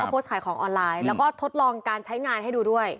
โพสต์ขายของออนไลน์แล้วก็ทดลองการใช้งานให้ดูด้วย